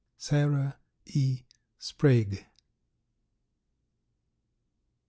Sarah E. Sprague.